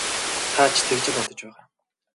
Та ч тэгж л бодож байгаа.